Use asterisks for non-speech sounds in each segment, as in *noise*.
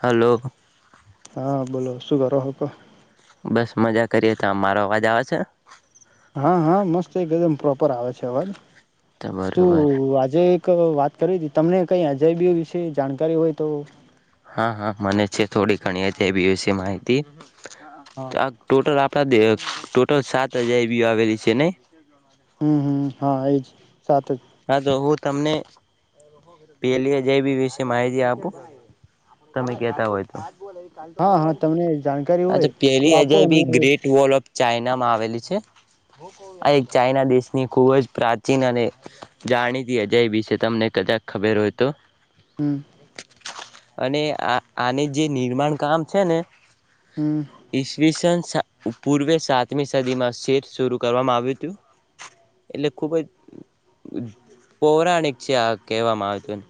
Hello હા બોલો શું કરો હતો બસ મજા કરીએ તમારો અવાજ આવ છે. હા હા મસ્ત એકદમ પ્રોપર આવે છે અવાજ તો બરોબર શું આજે એક વાત કરી હતી તમને કઈ અજયબી વિશે જાણકારી હોય તો હા હા મને છે થોડી ઘણીએ છે એ બી વિશે માહિતી હા આ ટોટલ આપ ત ટોટલ સાત હજાર એવીી આવેલી છેને હમ હમ હા એજ સાત જ હા તો હું તમને પેલી જેબી વિશે માહિતી આપું તમે કેતા હોય હા હા તમને જાણકારી તો બ હોય પેલી અજી આપો અને ગટ વ ચાઈનામાં આવેલી છે આ એક ચાઈના દેશની ખુબ જ પ્રાચીન અને જાણીતી અજય બીશે તમને કદાક ખબર હોય તો હમ અને આ આને જે નિર્માણ કામ છે ને હમ ઈસવીસન સા પૂર્વે સાતમી સદીમાં શેર શરૂ કરવામાં આવ્યું હતું એટલે ખુબ જ પૌરાણિક છે આ કહેવામાં આવતું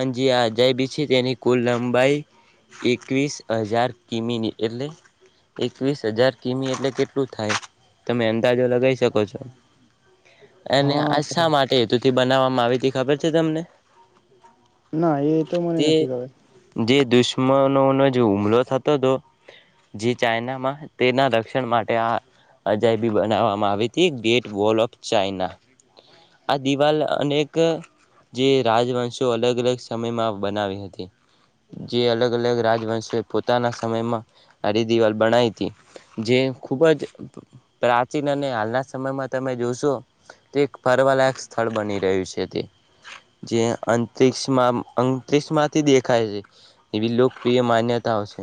અજી આ અજાયબી છે તેની કુલ લંબાઈ એકવીસ હજાર કિમીની એટલે એકવીસ હજાર કિમી એટલે કેટલું થાય તમે અંદાજો લગાવી શકો છો એને હા આજ માટે હેતુથી બનાવવામાં આવીથી ખબર છે તમને ના એતો મને તે નથી ક જે દુશ્મનોનો જે હુમલો થતો હતો જે ચાઈનામાં તેના રક્ષણ માટે આ અજાયબી બનાવવામાં આવી હતી ગેટ વોલ ઓફ ચાઈના આ દિવાલ અનેક જે રાજવંશો અલગ અલગ સમયમાં બનાવી હતી જે અલગ અલગ રાજવંશો પોતાના સમયમાં હ દિવાલ બનાવી હતી જે ખૂબ જ પ્રાચીન અને હાલના સમયમાં તમે જોશો તે ફરવાલાયક સ્થળ બની રહ્યું છે તે જે અંતરિક્ષમાં અંતરિક્ષમાંથી દેખાય છે એવી લોકપ્રિય માન્યતાઓ છે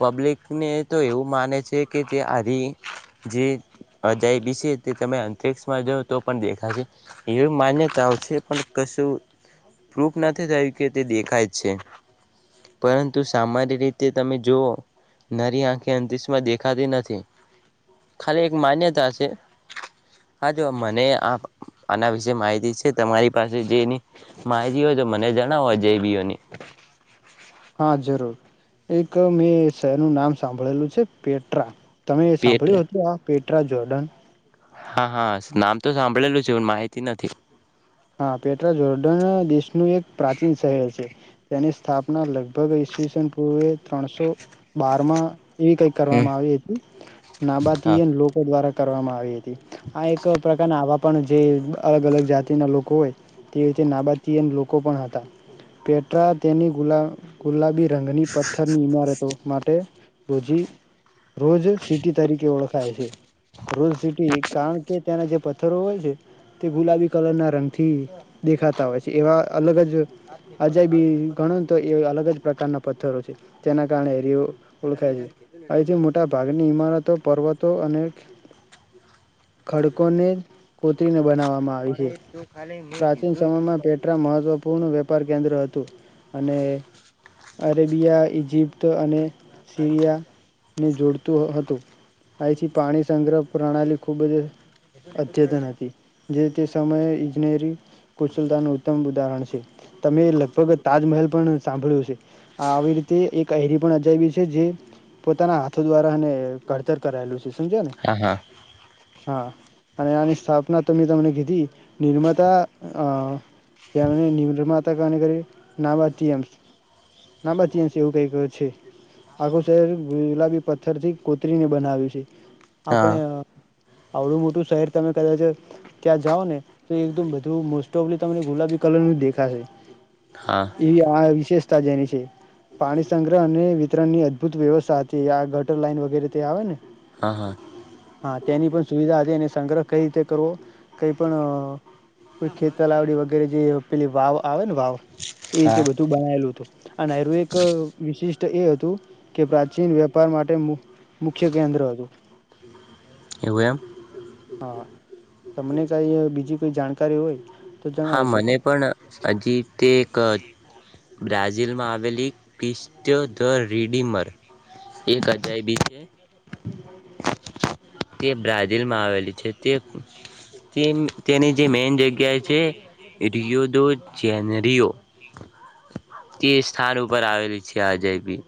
પબ્લિકને તો એવું માને છે કે જે આજ જે અજાયબીશે તે તમે અંતરિક્ષમાં જાઓ તો પણ દેખાશે એવી માન્યતાઓ છે પણ કશું પ્રૂફ નથી થયું કે તે દેખાય જ છે. પરંતુ સામાન્ય રીતે તમે જોવો નરી આંખે અંતિશમાં દેખાતી નથી. ખાલી એક માન્યતા છે. હા જો મને આ આના વિશે માહિતી છે તમારી પાસે જેની માહિતી હોય તો મને જણાવો જે બી ઓની હા જરૂર એક મેં શહેરનું નામ સાંભળેલું છે પેટ્રા તમે પેટ સાંભળ્યું હતું આ પેટ ટ્રા જોર્ડન હા હા નામ તો સાંભળેલું છે. પણ માહિતી નથી. હા પેટ્રા જોર્ડન દેશનું એક પ્રાચીન શહેર છે. તેની સ્થાપના લગભગ ઈસવીસન પૂર્વે ત્રણસો બારમાં એવી કઈક હમ કરવામાં આવી હતી. નાબાથી હા એ લોકો દ્વારા કરવામાં આવી તી. આ એક પ્રકારના આવા પણ જે અલગ અલગ જાતિના લોકો કો હોય તે રીતે નાબાતીયન લોકો પણ હતા. પેટ્રા તેની ગુલા ગુલાબી રંગની પથ્થરની ઈમારતો માટે રોજી રોજ સિટી તરીખે ઓળખ ઓળખાય છે. રો સીટી કારણ કે તેના જે પથ્થરો હોય છે તે ગુલાબી કલરના રંગ. થી દેખાતા હોય છે. એવા અલગ જ અજાયબી ઘણો તો એ અલગ જ પ્રકારના પથ્થરો છે જેના કારણે એરીઓ ઓળખાય છે. અહીંથી મોટા ભાગની ઇમારતો, પર્વતો અને. *inaudible* ખડકોને કોતરીને બનાવવામાં આવી છે. પ્રાચીન સમયમાં પેટ્રા મહત્વપૂર્ણ વેપાર. કેન્દ્ર હતું. અને. અરેબિયા, ઈજિપ્ત અને સીરિયાને જોડતું હતું. અહીથી પાણી સંગ્રહ પ્રણાલી ખૂબ જ અદ્યતન હતી. જે તે સમયે. નેરી કુશલતાનું ઉત્તમ ઉદાહરણ છે. તમે લગભગ તાજમહેલ. મહેલ પણ સાંભળ્યું હશે. આવી રીતે એક અયરી પણ અજાયબી છે જે પોતાના હાથો દ્વારા અને. ઘડતર કરાયેલું છે. સમજ્યા ને? હા હા હા અને આની સ્થાપના તો મેં તમને કીધી. નિર્માતા અ જ્યાંની નિર્માતા. *inaudible* નાબાચયમ નાબાચયમ એવું કઈ છે. આખું શહેર ગુલાબી પથ્થરથી કોતરીને બનાવ્યું છે. આપણે હા આવડું મોટું શહેર તમે. કદાચ ત્યાં જાઓ ને. તો એકદમ બધું મોસ્ટ ઓફલી તમને ગુલાબી કલરનું જ દેખાશે.. હા એવી આ વિશેષ. તા જેની છે. પાણી સંગ્રહ અને મિતની. અૂત વ્યવસ્થા હતી આ. ટર લાઈન વગેરેતે આવે ને. હા હા હા તેની પણ સુવિધા હતી. સંગ્રહ કઈ રીતે કરવો. કઈ પણ. કોઈ ખેતલાવડી વગેરે જે. પેલી વાવ આવે. એ રીતે હા બધું બનાેલું હતું અને એક વિશિષ. તો એ હતું. કે પ્રાચીન વેપાર માટે મુખ્ય કેન્દ્ર હતું. એવું એમ હા તમને કઈ બીજી કોઈ જાણકારી હોય. તો હા જણાવી મને શકો પણ હજી તે એક બ્રાઝિલમાં આવેલી ક્રિસ્તયો ધ રિડિમર એક હજાર બી છે તે બ્રાઝિલ માં આવેલી છે તે તે તેની જે મેન જગ્યાએ જે રિયોયો દ ચનરિયો તે સ્થાન ઉપર આવેલી છે અજયબી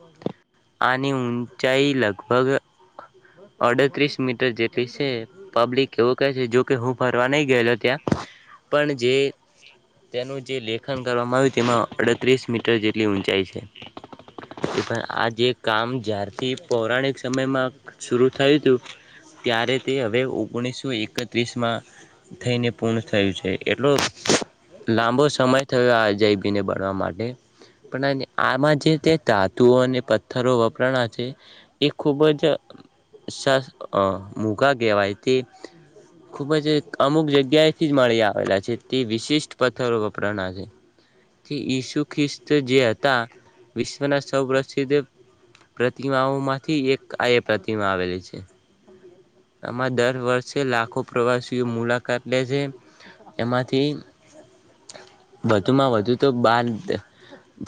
આની ઊંચાઈ લગભગ અડત્રીસ મીટર જેટલી છે પબ્લિક એવો કહે છે જોકે હું ફરવા નહી ગયેલો ત્યાં પણ જે તેનું જે લેખન કરવામાં આવ્યું તેમાંડ ત્રીસ મીટર જેટલી ઊંચાઈ છે તો પણ આ જે કામ જ્યારથી પૌરાણિક સમયમાં શરૂ થયું હતું ત્યારે તે હવે ઓગણીસો એકત્રીસમાં થઈને પૂર્ણ થયું છે એટલો લાંબો સમય થયો આજયબીને બણવા માટે આમાં જે તે ધાતુઓ અને પથ્થરો વપરાના છે એ ખૂબ જ મોઘા કહેવાય તે ખૂબ જ અમુક જગ્યાએથી જ મળી આવેલા છે તે વિશિષ્ટ પથ્થરો વપરાના છે તે ઈ જે હતા વિશ્વના સૌ પ્ર્રસિદ્ધ પ્રતિમાઓ માંથી એક આ પ્રતિમા આવેલી છે આમાં દર વર્ષે લાખો પ્રવાસીઓ મુલાકાત લે છે એમાંથી વધુમાં વધુ તો બા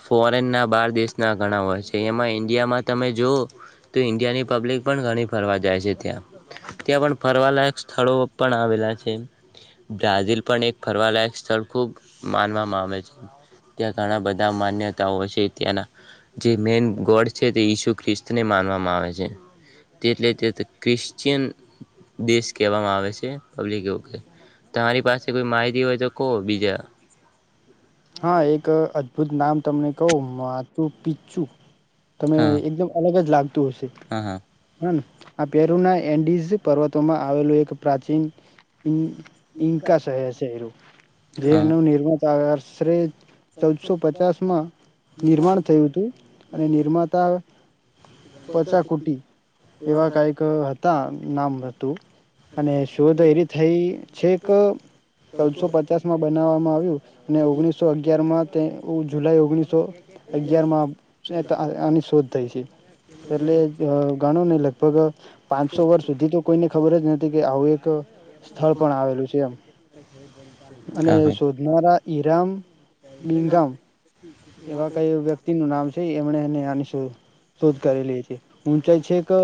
ફોરેનના બાર દેશના ઘણા હોય છે એમાં ઈન્ડિયામાં તમે જોઓ તો ઈન્ડિયાની પબ્લિક પણ ઘણી ફરવા જાય છે ત્યાં ત્યાં પણ ફરવાલાયક સ્થળો પણ આવેલા છે બ્રાઝિલ પણ એક ફરવાલાયક સ્થળ ખૂબ માનવામાં આવે છે ત્યાં ઘણા બધા માન્યતાઓ છે ત્યાંના જે મેન ગોડ છે તે ઈસુ ખ્રિસ્તને માનવામાં આવે છે તેટલે તે ક્રિશ્ચિયન દેશ કહેવામાં આવે છે પબ્લિક વ તમારી પાસે કોઈ માહિતી હોય તો કહો બીજા હા એક નામ તમને કહ માચું પીચું તમે હા એકદમ અલગ જ લાગ હા હા આ પેરુ ના એન્ડઝ પર્વતોમાં આવેલું એક પ્રાચીન ઈન્કા શહેર છે એ હા જેનું નિર્મતા શ્રે ચૌદસો પચાસ માં નિર્માણ થયું હતું અને નિર્માતા પચાકુટી એવા કાયક હતા નામ હતું અને શોધ એરી થઈ છે કે ચૌદસો પચાસ માં બનાવવામાં આવ્યું અને ઓગણીસો અગિયારમાં તે જુલાઈ ઓગણીસ સો અગિયારમાં આની શોધ થઈ છે એટલે કણોને લગપગ પાંચસો વર્ષ સુધી તો કોઈને ખબર જ નથી કે આવું એક સ્થળ પણ આવેલું છે એમ અને હા શોધનારા હીરામ બિંગમ એવા કઈ વ્યક્તિ નું નામ છે એ આપણે ્યાનીશ શોધ કરેલી છે ઊંચાઈ છે કે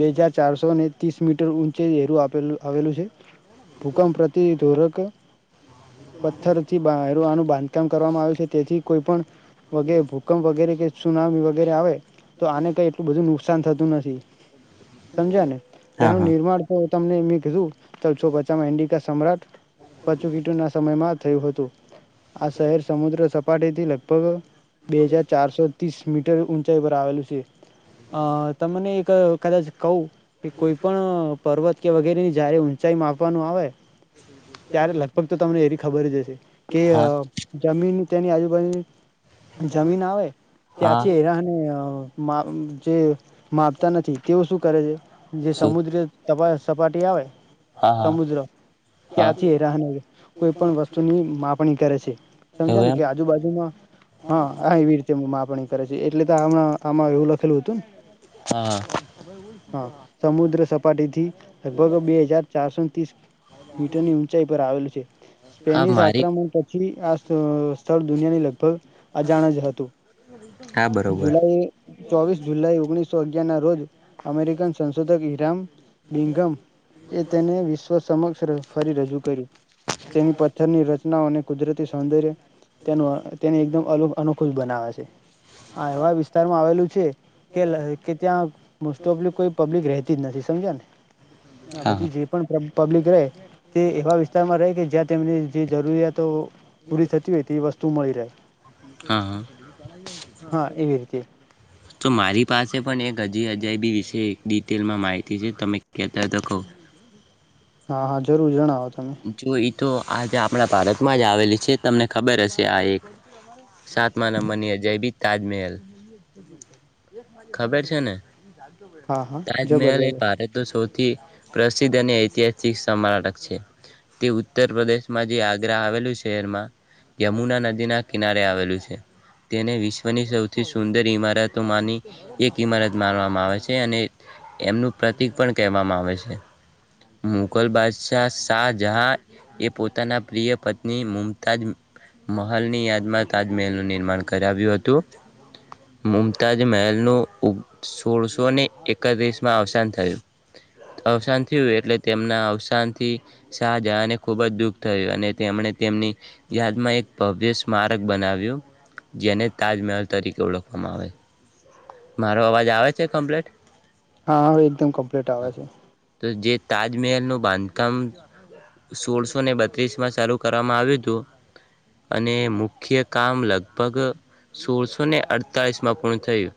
બે હજાર ચારસો ને ત્રીસ મીટર ઊંચેઝેરું આપેલું આવેલું છે ભૂકંપ પ્રતિધોરક પથ્થર હવાનું બાંધકામ કરવામાં આવ્યું છે તેથી કોઈ પણ વગેરે ભૂકંપ વગેરે કે સુના વગેરે આવે તો આને કઈ એટલું બધું નુકસાન થતું નથી સમજ્યા ને હા તેનું હા નિર્માણ થ તમને મેં કીધું ચ છો બચામાં એન્ડિકા સમ્રાટ પચું કીટુ ના સમયમાં થ હોત તો આ શહેર સમુદ્ર સપાટીથી લ *inaudible* બે હજાર ચારસો ત્રીસ મીટર ઊંચાઈ પર આવેલું છે અ તમને એક કદાચ ક કે કોઈ પણ પર્વત કે વગેરે ની જારે ઊંચ ંચાઈ માપવાનું આવે ત્યારે લગભગ તો તમને એની ખબર જ હશે કે જમીન તેની આજુબાજુ જમીન આવે હા હા ત્યાંથી હા હરાહને જે માપતા નથી તેઓ શું કરે છે જે શું સમુદ્ર સપાટી આવે હા હા સમુદ્ર હા ત્યાંથીરાહ કોઈ પણ વસ્તુની ણી કરે છે સમજ એવું ને એમ કે આજુબાજુમાં હા એવી રીતે મા કરે છે એટલે તો હમણા આમાં એવું લખેલું હતું હા હા હ સમુદ્ર સપાટી થી લગભગ બે હજાર ચારસો ત્રીસ મીટરની ઉઊંચાઈ પર આવેલું છે હા સ્પેનિશ મારી આક્રમણ પછી આ સ્થળ દુનિયાની લગ અજાણ જ હતું હા બરોબર જુલાઈ ચોવીસ જુલાઈ ઓગણીસ તો અગિયારના રોજ અમેરિકન સંશોધક ઈરામ બિંગમ એ તેને વિશ્વ સમક્ષ ફરી રજૂ કર્યું તેની પથ્થરની રચ નાઓ અને કુદરતી સૌંદર્ય *unintelligible* *unintelligible* બનાવે છે આ એવા વિસ્તારમાં આવેલું છે કે કે ત્યાં મોસ્ટ ઓફ કોઈ પબ્લિક રે રેતીજ નથી સમજ્યા ને આ હા બધી હા જે પણ પ્રો પબ્લિક રેય તે એવા વિસ્તારમાં રેય કે જ્યાં તેમને જે જરૂરીયા તો પૂરી થતી હોય તે વસ્તુ મળી રેય હા હા હા એવી રીતે તો મારી પાસે પણ એક *unintelligible* વિશે એક ડિટેલમાં માહિતી છે તમે કેતાહોય તો કોઉ હા હા જરૂર જણાવો તમે જો ઈ તો આજે આપણા ભારતમાં જ આવેલી છે તમને ખબર હશે આ એક સાતમા નંબરની અ જયભી તાજમહેલ ખબર છે ને હા હા જબર તાજમહેલ એ જબર ભારત નો સૌથી થી પ્રસિદ્ધ અને ઐતિહાસિક સમરાટક છે તે ઉત્તર પ્રદેશમાં જે આગ્રા આવેલું શહેરમાં યમુના નદીના કિનારે આવેલું છે તેને વિશ્વની સૌથી સુંદર ઈમારતોમાંની એક ઈમારત માનવામાં આવે છે અને એમનું પ્રતિક પણ કહેવામાં આવે છે મુઘલ બાદશાહ શાહજહા એ પોતાના પ્રિય પત્ની મુમતાજ મહેલ ની યાદમાં તાજમહેલનું નિર્માણ કરાવ્યું હતું મુમતાજ મહેલનું સોળસો ને એકત્રીસ માં અવસાન થયું અવસાન થું એટલે તેમના અવસાનથી શાહજાને ખુબ જ દુઃખ થયું અને તેમણે તેમની યાદમાં એક ભવ્ય સ્મારક બનાવ્યું જેને તાજમહેલ તરીકે ઓળખવામાં આવે મારો અવાજ આવે છે કમ્પ્લીટ હા આવે એકદમ કમ્પ્લીટ આવે છે તો જે તાજમહેલનું બાંધકામ સોળસો ને બત્રીસમાં ચાલું કરવામાં આવ્યું હતું અને મુખ્ય કામ લગભગ સોળસો ને અડતાળીસમાં પૂર્ણ થયું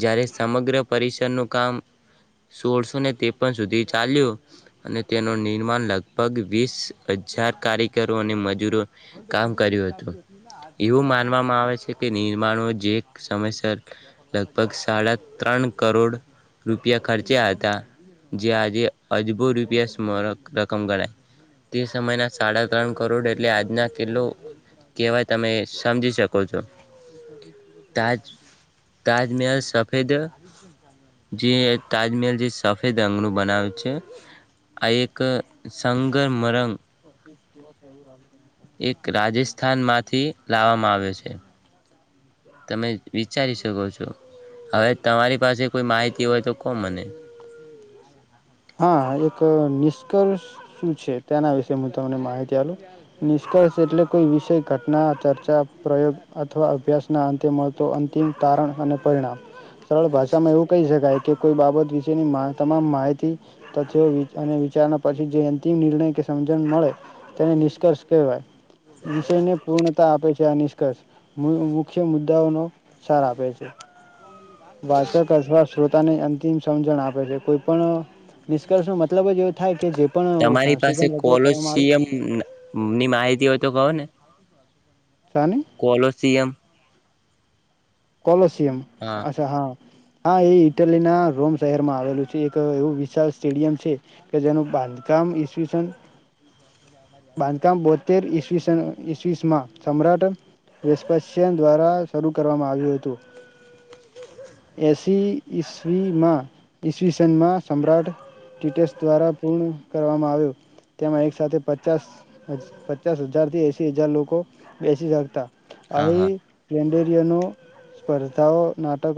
જ્યારે સમગ્ર પરિસરનું કામ સોળસોને ત્રેપન સુધી ચાલ્યું અને તેનું નિર્માણ લગભગ વીસ હજાર કારીગરો અને મજૂરો કામ કર્યું હતું એવું માનવામાં આવે છે કે નિર્માણો જે સમયસર લગભગ સાડા ત્રણ કરોડ રૂપિયા ખર્ચ્યા હતા જે આ જે અજબો રૂપિયા *unintelligible* રકમ ગણાય તે સમયના સાડા ત્રણ કરોડ એટલે આજના કેટલો કહેવાય તમે સમજી શકો છો તાજ તાજમહેલ સફેદ જે તાજમહેલ જે સફેદ અંગનું બનાવે છે આ એક સંગર મરંગ એક રાજેસ્થાન માંથી લાવવામાં આવ્યો છે તમે વિચારી શકો છો હવે તમારી પાસે કોઈ માહિતી હોય તો કો મને હ એક નિષ્કર્ષ શું છે તેના વિશે હું તમને માહિતી આલુ નિષ્કર્ષ એટલે કોઈ વિષય ઘટના ચર્ચા પ્રયોગ અથવા અભ્યાસ ના અંતે મળતો અંતિમ તારણ અને પરિણામ સરળ ભાષામાં એવું કહી શકાય કે કોઈ બાબત વિશેની મા તમામ માહિતી *unintelligible* અને વિચારણા પછી જે અંતિમ નિર્ણય કે સમજણ મળે તેને નિષ્કર્ષ કહેવાય વિષયને પૂર્ણતા આપે છે આ નિષ્કર્ષ મુખ્ય મુદ્દાઓનો સાર આપે છે વાચક અથવા શ્રોતાને અંતિમ સમજણ આપે છે કોઈ પણ નિષ્કર્ષ નો મતલબ જ એવો થાય કે જે પણ તમારી પાસે સંશોધન વગેરે કરવામાં આવ્યું કોલોશિયમ ની માહિતી હોય તો કહો ને શાની કોલોસીયમ કોલોસયમ અચ્છા હા હા એ ઇટલી ના રોમ શહેર માં આવેલું છે એક એવું વિશળ સ્ટેડિયમ છે કે જેનું બાંધકામ ઈવીસન બાંધકામ બોતેર ઈસવીસન ઈવીસ માં સમ્રાટ વિસપસન દ્વારા શરૂ કરવામાં આવી જો હત એસી સીમા ઈસવી સનમાં સમ્રાટ ટીટસ દ્વારા પૂર્ણ કરવામાં આવ્યું. તેમાં એક સાથે પ પચાસ હજારથી એસી હજાર લોકો બેસી શકતા હા અહી હા સ્પર્ધાઓ ના